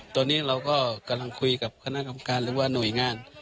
ตอนนี้เราก็กำลังคุยกับคณะกรรมการหรือว่าหน่วยงาน